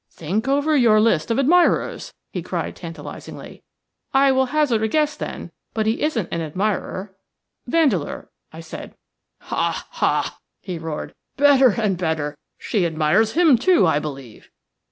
"Think over your list of admirers," he cried, tantalizingly. "I will hazard a guess, then; but he isn't an admirer. Vandeleur," I said. "Ha, ha!" he roared. "Better and better. She admires him, too, I believe."